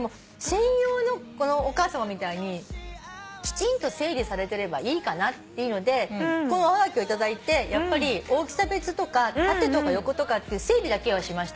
専用のこのお母さまみたいにきちんと整理されてればいいかなっていうのでこのおはがきを頂いてやっぱり大きさ別とか縦とか横とかって整理だけはしました。